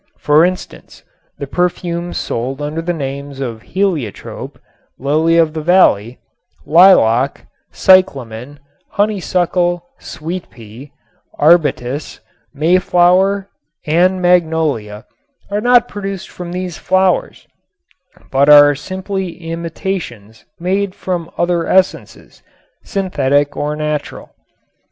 For instance, the perfumes sold under the names of "heliotrope," "lily of the valley," "lilac," "cyclamen," "honeysuckle," "sweet pea," "arbutus," "mayflower" and "magnolia" are not produced from these flowers but are simply imitations made from other essences, synthetic or natural.